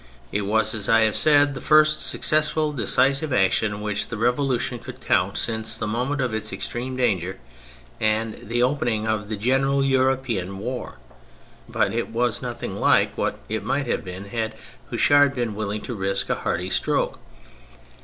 It was, as I have said, the first successful decisive action which the Revolution could count since the moment of its extreme danger and the opening of the general Euro pean war. But it was nothing like what it might have been had Houchard been willing to risk a hardy stroke.